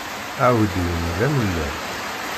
Aɛudiw-nni d amellal.